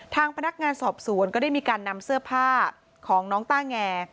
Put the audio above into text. ทางพนักงานสอบสวนก็ได้มีการนำเสื้อผ้าของน้องต้าแง